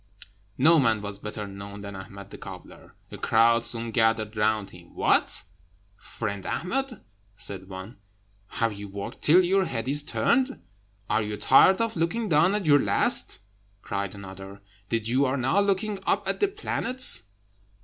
No man was better known than Ahmed the cobbler. A crowd soon gathered round him. "What! friend Ahmed," said one, "have you worked till your head is turned?" "Are you tired of looking down at your last," cried another, "that you are now looking up at the planets?"